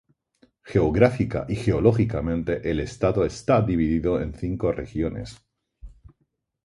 Geográfica y geológicamente, el estado está dividido en cinco regiones.